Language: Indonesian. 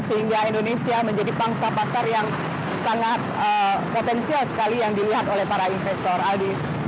sehingga indonesia menjadi pangsa pasar yang sangat potensial sekali yang dilihat oleh para investor aldi